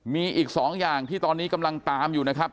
มีอีก๒อย่างที่ตอนนี้กำลังตามอยู่นะครับ